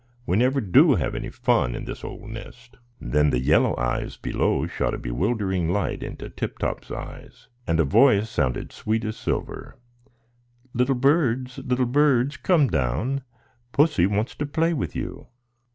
We never do have any fun in this old nest!" Then the yellow eyes below shot a bewildering light into Tip Top's eyes, and a voice sounded sweet as silver: "Little birds, little birds, come down; Pussy wants to play with you."